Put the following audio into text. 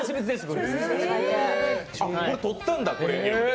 これ取ったんだ。